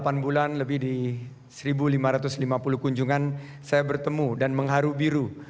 selama delapan bulan lebih di satu lima ratus lima puluh kunjungan saya bertemu dan mengharu biru